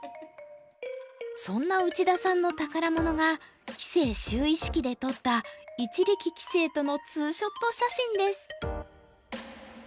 そんな内田さんの宝物が棋聖就位式で撮った一力棋聖とのツーショット写真です。